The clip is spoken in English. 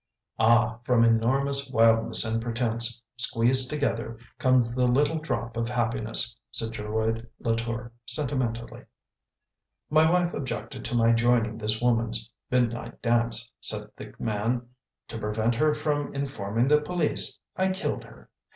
"" Ah, from enormous wildness and pretence, squeezed together, comes the little drop of happiness," said Geroid Latour, sentimentally. " My wife objected to my joining this woman's mid night dance," said the man. " To prevent her from in forming the police, I killed her.